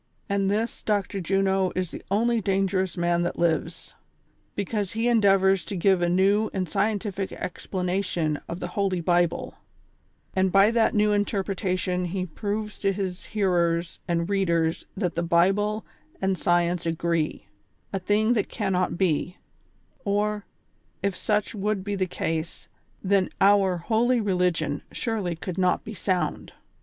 And this Dr. Juno is the only dangerous man that lives ; because he endeavors to give a new and scientific explanation of the Holy Bible, and by that new interpretation he proves to his hearers and readers that the Bible and science agree, a thing that can not be ; or, if such would be the case, then oui holy reli gion surely could not be sound.